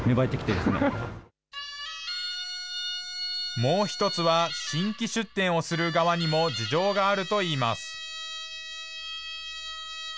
もう一つは新規出店をする側にも事情があるといいます。